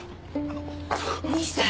兄さん。